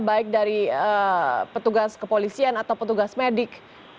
baik dari petugas kepolisian atau petugas medik